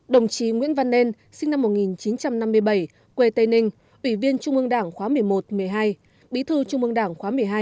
đồng chí nguyễn văn nên sinh năm một nghìn chín trăm năm mươi bảy quê tây ninh ủy viên trung ương đảng khóa một mươi một một mươi hai bí thư trung ương đảng khóa một mươi hai